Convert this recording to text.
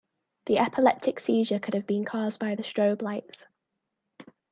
The epileptic seizure could have been cause by the strobe lights.